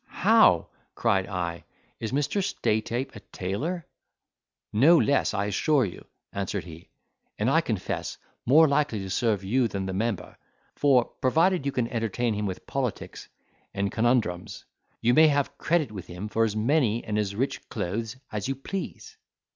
"How!" cried I, "is Mr. Staytape a tailor." "No less, I assure you," answered he, "and, I confess, more likely to serve you than the member; for, provided you can entertain him with politics and conundrums, you may have credit with him for as many and as rich clothes as you please."